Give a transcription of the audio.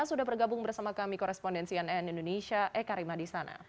sudah bergabung bersama kami korespondensi nn indonesia eka rima di sana